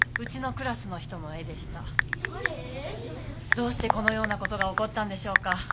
どうしてこのようなことがおこったんでしょうか。